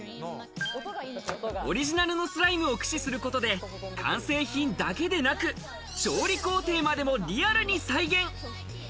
オリジナルのスライムを駆使することで完成品だけでなく、調理工程までもリアルに再現。